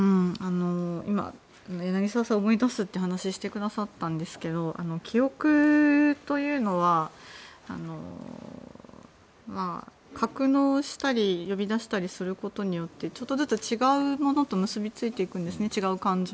今、柳澤さんが思い出すという話をしてくださったんですけど記憶というのは格納したり呼び出したりすることによってちょっとずつ違う感情と結びついていくんですね。